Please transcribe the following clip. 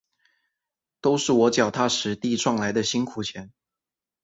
都是我脚踏实地赚来的辛苦钱